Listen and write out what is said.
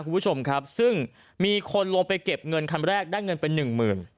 คุณผู้ชมครับซึ่งมีคนลงไปเก็บเงินคันแรกได้เงินไปหนึ่งหมื่น